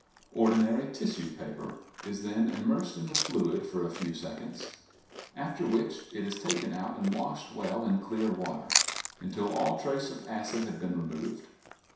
Ordinary tissue paper is then immersed in the fluid for a few seconds, after which it is taken out and washed well in clear water, until all trace of acid has been removed.